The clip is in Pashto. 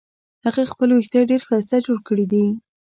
هغې خپل وېښته ډېر ښایسته جوړ کړې دي